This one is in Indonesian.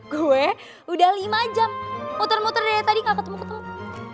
gue udah lima jam muter muter dari tadi gak ketemu ketemu